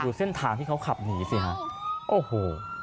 เส้นทางที่เขาขับหนีสิฮะโอ้โห